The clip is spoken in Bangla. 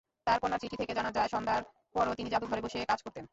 তাঁর কন্যার চিঠি থেকে জানা যায়, সন্ধ্যার পরও তিনি জাদুঘরে বসে কাজ করতেন।